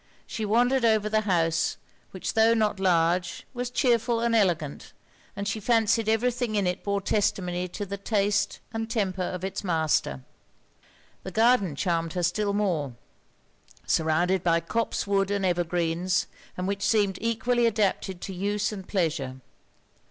She wandered over the house; which tho' not large was chearful and elegant, and she fancied every thing in it bore testimony to the taste and temper of its master. The garden charmed her still more; surrounded by copse wood and ever greens, and which seemed equally adapted to use and pleasure.